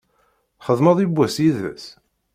Txedmeḍ yewwas yid-s?